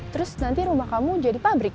terus nanti rumah kamu jadi pabrik